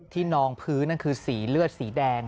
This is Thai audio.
นองพื้นนั่นคือสีเลือดสีแดง